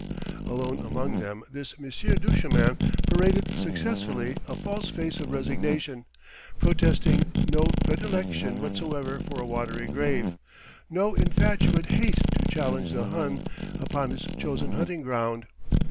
Alone among them this Monsieur Duchemin paraded successfully a false face of resignation, protesting no predilection whatsoever for a watery grave, no infatuate haste to challenge the Hun upon his chosen hunting ground.